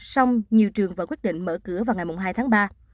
xong nhiều trường vẫn quyết định mở cửa vào ngày hai tháng ba